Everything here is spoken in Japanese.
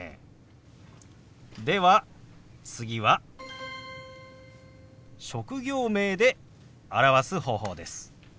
では次は職業名で表す方法です。